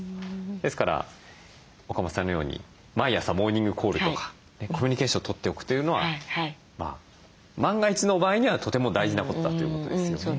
ですから岡本さんのように毎朝モーニングコールとかコミュニケーション取っておくというのは万が一の場合にはとても大事なことだということですよね。